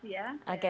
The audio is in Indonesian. ya bagus ya